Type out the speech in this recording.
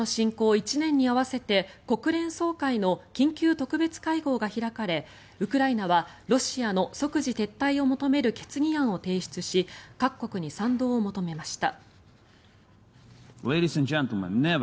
１年に合わせて国連総会の緊急特別会合が開かれウクライナはロシアの即時撤退を求める決議案を提出し各国に賛同を求めました。